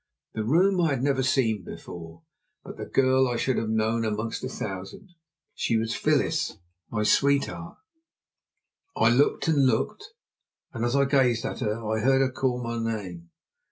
The room I had never seen before, but the girl I should have known among a thousand. She was Phyllis, my sweetheart! I looked and looked, and as I gazed at her, I heard her call my name.